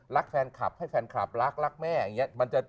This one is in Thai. รักแฟนคลับให้แฟนคลับรักรักแม่อย่างนี้